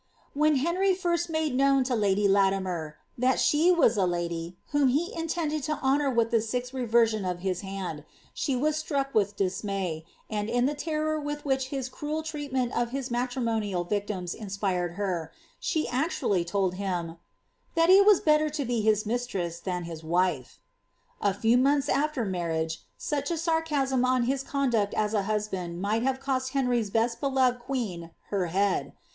When Henr}' first made known to lady Latimer that slio was the lady whom he intended to honour with the sixth reversion of his hand, she was struck with dismay, and in the terror with wliich his cruel treat ment of his matrimonial victims inspired her, she actually told him ^ that it was better to be his mistress than his wife.^' ' A few months after marriage, such a sarcasm on his conduct as a hnsl)and might have eost Henry's best loved queen her head.